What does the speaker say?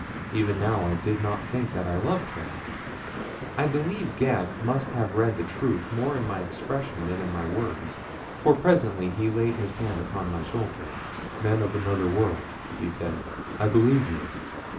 Even now I did not think that I loved her. I believe Ghak must have read the truth more in my expression than in my words, for presently he laid his hand upon my shoulder. "Man of another world," he said, "I believe you.